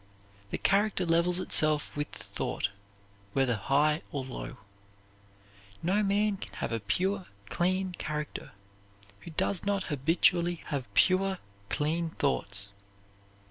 The character levels itself with the thought, whether high or low. No man can have a pure, clean character who does not habitually have pure, clean thoughts.